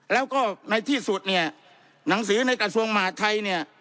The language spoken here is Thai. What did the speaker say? แล้วก็ในที่สุดหนังสือในการกระทรวงมาทัย